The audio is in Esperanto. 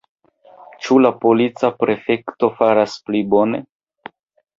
Ĉu la polica prefekto fartas pli bone?